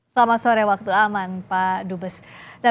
selamat sore waktu aman